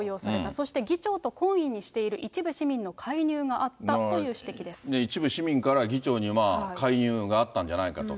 そして議長と懇意にしている一部市民の介入があったという指摘で一部市民から議長に介入があったんじゃないかと。